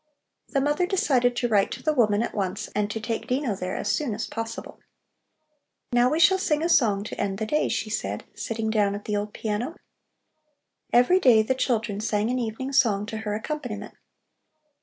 The mother decided to write to the woman at once and to take Dino there as soon as possible. "Now we shall sing a song to end the day," she said, sitting down at the old piano. Every day the children sang an evening song to her accompaniment.